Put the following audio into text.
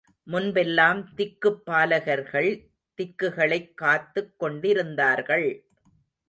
முன்பெல்லாம் திக்குப் பாலகர்கள் திக்குகளைக் காத்துக் கொண்டிருந்தார்கள்.